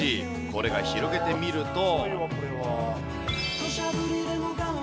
これが広げてみると。